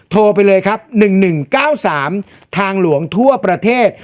โทรไปเลยครับ๑๑๙๓ทางหลวงทั่วประเทศ